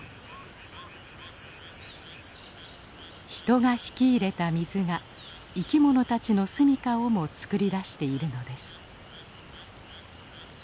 人が引き入れた水が生きものたちの住みかをも作り出しているのです。